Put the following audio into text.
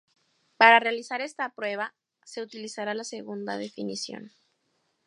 Para realizar esta prueba, se utilizará la segunda definición.